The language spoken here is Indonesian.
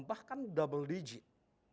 bahkan double digit